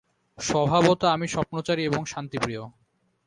স্বভাবত আমি স্বপ্নচারী এবং শান্তিপ্রিয়।